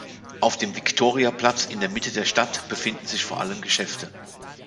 Auf dem Victoria Platz in der Mitte der Stadt befinden sich vor allem Geschäfte.